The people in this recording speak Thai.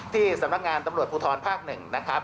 ที่สำนักงานตำรวจภูทรภาค๑นะครับ